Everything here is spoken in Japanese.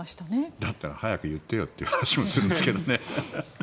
だったら早く言ってよという感じもするんですけどね。